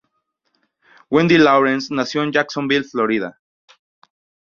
Wendy Lawrence nació en Jacksonville, Florida.